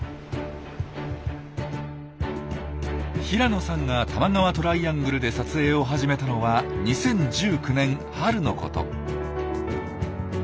平野さんが多摩川トライアングルで撮影を始めたのは２０１９年春のこと。